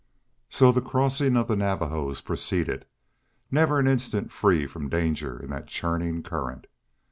So the crossing of the Navajos proceeded, never an instant free from danger in that churning current.